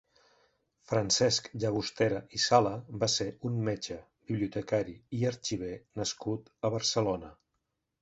Francesc Llagostera i Sala va ser un metge, bibliotecari i arxiver nascut a Barcelona.